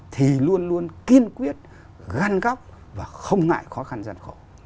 thì luôn luôn kiên quyết găn góc và không ngại khó khăn gian khổ